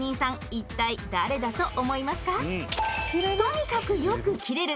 一体誰だと思いますか？